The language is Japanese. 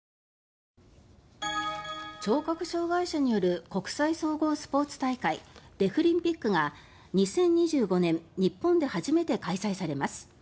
聴覚障害者による国際総合スポーツ大会デフリンピックが２０２５年日本で初めて開催されます。